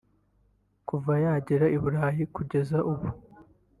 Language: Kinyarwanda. Kuva yagera i Burayi kugeza ubu